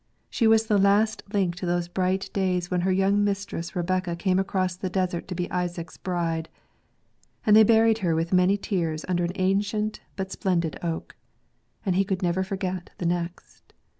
She was the last link to those bright days when her young mistress Rebekah came across the desert to be Isaac's bride ; and they buried her with many tears under an ancient but splendid oak. And he could never forget the next.